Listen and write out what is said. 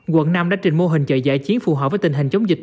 quận năm đã trình mô hình chợ giải chiến phù hợp với tình hình chống dịch